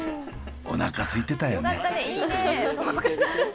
おなかすいてたよね。